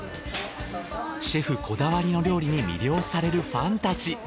シェフこだわりの料理に魅了されるファンたち。